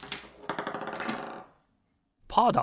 パーだ！